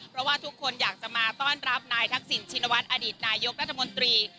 เพราะว่าทุกคนอยากจะมาต้อนรับนายทักษิณชินวัฒน์อดีตนายกรัฐมนตรี